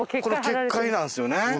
これ結界なんすよね？